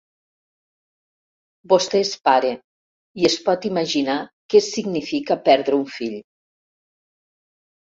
Vostè és pare i es pot imaginar què significa perdre un fill.